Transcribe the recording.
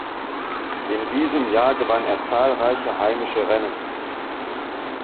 In diesen Jahr gewann er zahlreiche heimische Rennen.